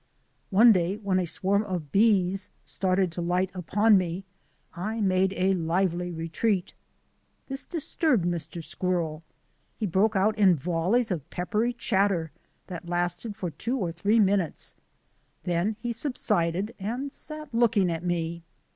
One day when a swarm of bees started to light upon me I made a lively retreat. This disturbed Mr. Squirrel. He broke out in volleys of peppery chatter that lasted for two or three minutes, then he subsided and sat looking at me.